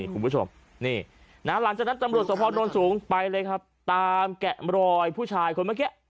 หลังจากนั้นตำรวจส่วนโนรสูงไปเลยครับตามแกะรอยผู้ชายคนเมื่อกี้